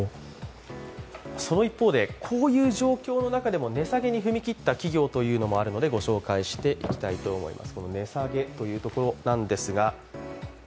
その一方でこういう状況の中でも値下げに踏み切った企業というのもあるのでご紹介していきたいと思います。